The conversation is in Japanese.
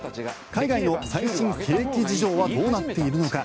海外の最新景気事情はどうなっているのか。